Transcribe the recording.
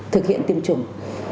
thực hiện tiêm chủng